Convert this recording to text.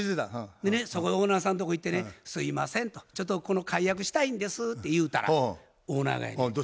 でねオーナーさんとこへ行ってね「すいません」と「ちょっとここの解約したいんです」って言うたらオーナーがやね。